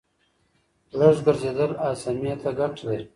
لږ ګرځېدل هاضمې ته ګټه لري.